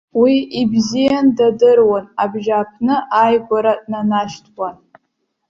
Уи ибзиан дадыруан, абжьааԥны ааигәара днанашьҭуан.